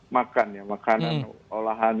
makan makanan olahan